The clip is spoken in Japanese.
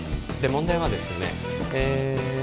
問題はですね